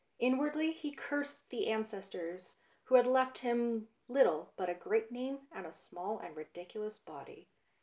Inwardly he cursed the ancestors who had left him little but a great name and a small and ridiculous body.